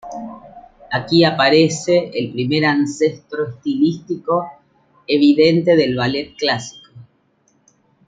Aquí aparece el primer ancestro estilístico evidente del ballet clásico.